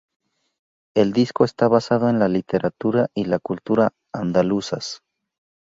El disco está basado en la literatura y la cultura andaluzas.